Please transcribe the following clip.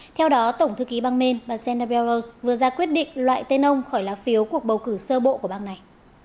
theo đó tổng thư ký bang maine bà sandra barrows vừa ra quyết định loại tên ông khỏi lá phiếu cuộc bầu cử sơ bộ của bang này